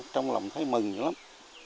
trong lòng thấy mừng vậy lắm